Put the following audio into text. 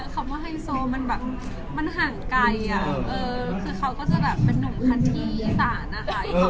คำว่าไฮโซมันหลังไกล